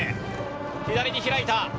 左に開いた。